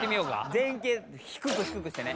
前傾低く低くしてね。